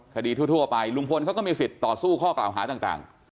คดีทั่วไปลุงพลเขาก็มีสิทธิ์ต่อสู้ข้อกล่าวหาต่าง